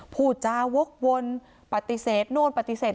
พูดจาวกวนปฏิเสธโน่นปฏิเสธ